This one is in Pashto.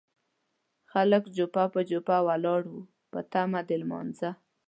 خلک جوپه جوپه ولاړ وو په تمه د لمانځه.